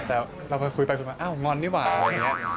แต่เราไปคุยไปคุยมาอ้าวงอนนี่หว่าอะไรอย่างนี้